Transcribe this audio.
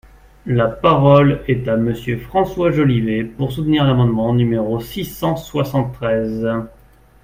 La parole est à Monsieur François Jolivet, pour soutenir l’amendement numéro six cent soixante-treize.